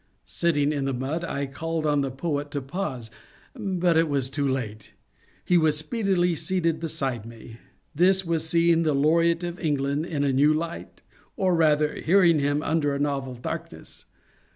Sitting in the mud, I called on the poet to pause, but it was too late ; he was speedily seated beside me. This was seeing the Laureate of England in a new light, or rather, hearing him under a novel darkness.